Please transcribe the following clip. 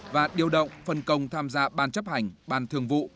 và điều động phân công tham gia ban chấp hành ban thường vụ